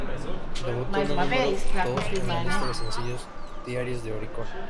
Debutó en el número dos en la lista de sencillos diarios de Oricon.